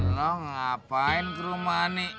lo ngapain ke rumah nih